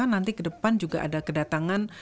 nanti ke depan juga ada kedatangan